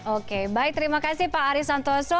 oke baik terima kasih pak ari santoso